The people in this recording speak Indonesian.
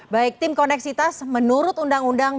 baik tim koneksitas menurut undang undang